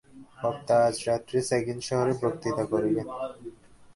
বক্তা আজ রাত্রে স্যাগিন শহরে বক্তৃতা করিবেন।